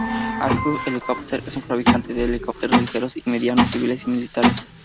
Airbus Helicopters es un fabricante de helicópteros ligeros y medianos, civiles y militares.